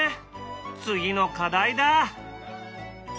次の課題だ。